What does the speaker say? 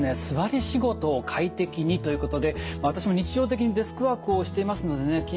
座り仕事を快適にということで私も日常的にデスクワークをしていますのでね